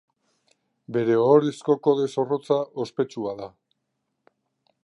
Bere ohorezko kode zorrotza ospetsua da.